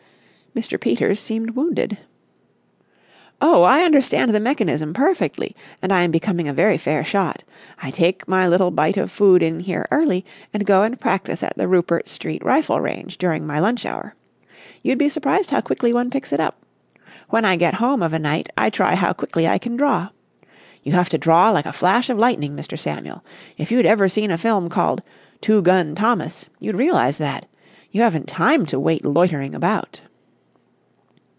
Mr. Peters seemed wounded. "Oh, I understand the mechanism perfectly, and I am becoming a very fair shot. I take my little bite of food in here early and go and practise at the Rupert Street Rifle Range during my lunch hour. You'd be surprised how quickly one picks it up. When I get home of a night I try how quickly I can draw. You have to draw like a flash of lightning, Mr. Samuel. If you'd ever seen a film called 'Two Gun Thomas,' you'd realise that. You haven't time to wait loitering about."